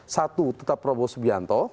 satu tetap prabowo subianto